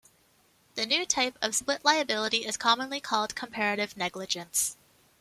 The new type of split liability is commonly called "comparative negligence".